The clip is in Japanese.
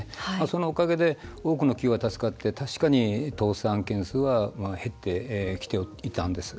そのおかげで多くの企業が助かって確かに、倒産件数は減ってきていたんです。